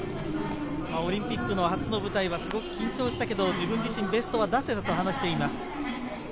オリンピック初の舞台はすごく緊張したけど自分自身のベストは出せたと話しています。